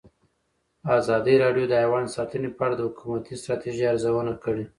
ازادي راډیو د حیوان ساتنه په اړه د حکومتي ستراتیژۍ ارزونه کړې.